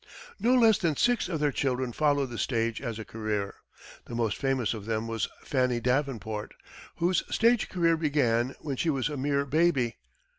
No less than six of their children followed the stage as a career. The most famous of them was Fanny Davenport, whose stage career began when she was a mere baby.